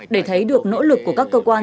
để thấy được nỗ lực của các cơ quan